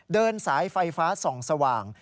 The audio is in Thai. เดินสายไฟฟ้า๒สว่าง